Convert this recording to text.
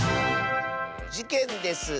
「じけんです！